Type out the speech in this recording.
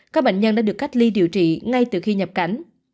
các bệnh nhân đã được cách ly điều trị ngay từ khi nhập cảnh